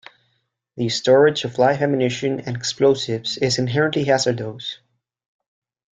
The storage of live ammunition and explosives is inherently hazardous.